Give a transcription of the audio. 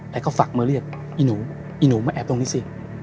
แต่ก็ฝักมือเรียกอีหนูอีหนูมาแอบตรงนี้สิ